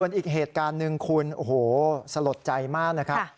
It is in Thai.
อีกเหตุการณ์หนึ่งคุณโอ้โหสลดใจมากนะครับ